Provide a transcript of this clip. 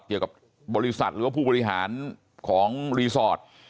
เกี่ยวกับบริษัทหรือว่าผู้บริหารของรีสอร์ท